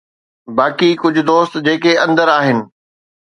باقي ڪجهه دوست جيڪي اندر آهن